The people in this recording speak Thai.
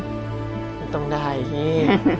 ไม่ต้องได้พี่